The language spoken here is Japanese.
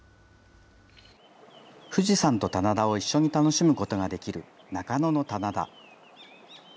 富士山と棚田を一緒に楽しむことができる中野の棚田。